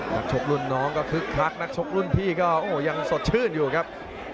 นักชกรุ่นน้องก็คึกคักนักชกรุ่นพี่ก็โอ้โหยังสดชื่นอยู่ครับ